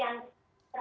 dalam hal ini saya